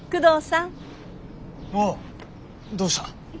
おおどうした。